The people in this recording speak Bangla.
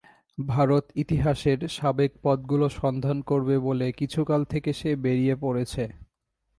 ভারত-ইতিহাসের সাবেক পথগুলো সন্ধান করবে বলে কিছুকাল থেকে সে বেরিয়ে পড়েছে।